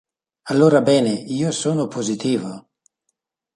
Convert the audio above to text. Allora bene, io sono positivo.